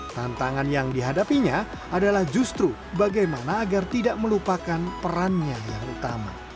tantangan yang dihadapinya adalah justru bagaimana agar tidak melupakan perannya yang utama